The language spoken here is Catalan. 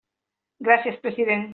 Gràcies, president.